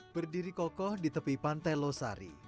berdiri kokoh di tepi pantai losari